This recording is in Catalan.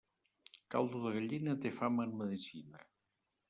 Caldo de gallina té fama en medicina.